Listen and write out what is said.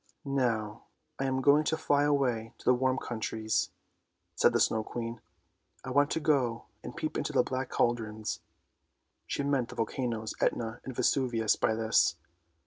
" Now I am going to fly away to the warm countries," said the Snow Queen. " I want to go and peep into the black cauldrons! " She meant the volcanoes Etna and Vesuvius by this.